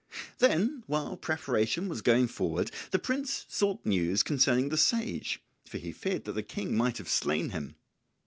Then while preparation was going forward, the prince sought news concerning the sage, for he feared that the King might have slain him.